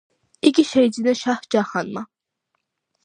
იგი შეიძინა შაჰ–ჯაჰანმა.